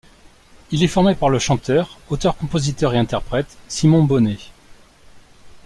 Il est formé par le chanteur, auteur-compositeur et interprète Simon Bonney.